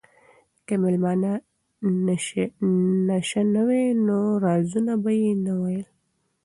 که مېلمانه نشه نه وای نو رازونه به یې نه ویل.